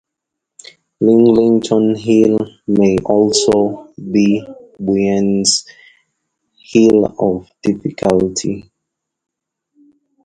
Lidlington Hill may also be Bunyan's "Hill of Difficulty".